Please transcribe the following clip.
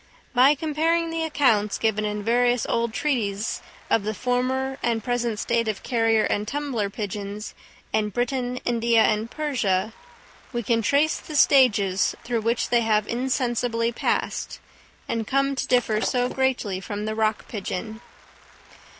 By comparing the accounts given in various old treatises of the former and present state of carrier and tumbler pigeons in Britain, India, and Persia, we can trace the stages through which they have insensibly passed, and come to differ so greatly from the rock pigeon.